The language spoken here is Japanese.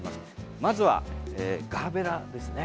まずはガーベラですね。